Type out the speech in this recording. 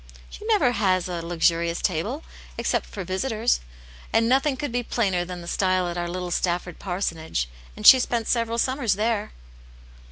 " She never has a " luxurious table," except for visitors. And nothing could be plainer than the style at our little Stafford parsonage, and she spent several summers there."